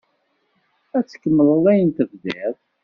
Ad tkemmleḍ ayen tebdiḍ?